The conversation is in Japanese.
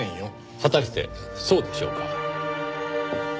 果たしてそうでしょうか？